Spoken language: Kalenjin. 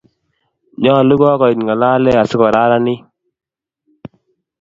nyolu kokoit ng'alale asi kokararanit